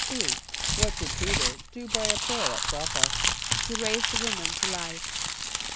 = What did P[=e]´t[~e]r do by a prayer at J[)o]p´p[.a]? =He raised a woman to life.